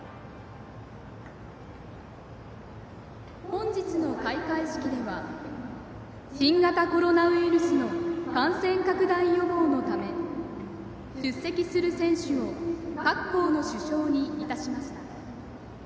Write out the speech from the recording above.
本日の開会式は新型コロナウイルスの感染拡大予防のため出席する選手を各校の主将にいたしました。